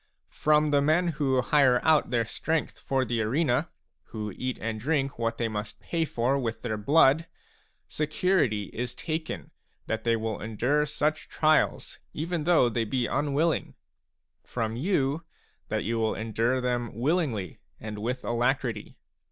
From the men who hire out their strength for the arena, who eat and drink what they must pay for with their blood, security is taken that they will endure such trials even though they be unwilling ; from you, that you will endure them willingly and with alacrity.